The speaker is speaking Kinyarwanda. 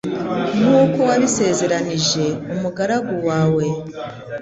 nk’uko wabisezeranije umugaragu wawe